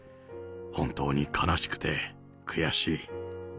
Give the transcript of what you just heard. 本当に悲しくて悔しい。